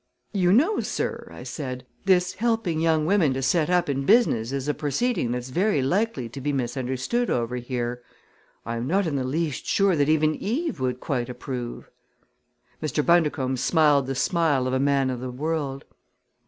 "You know, sir," I said, "this helping young women to set up in business is a proceeding that's very likely to be misunderstood over here. I am not in the least sure that even Eve would quite approve." Mr. Bundercombe smiled the smile of a man of the world.